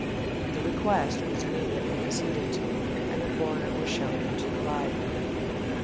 The request was immediately acceded to; and the foreigner was shown into the library.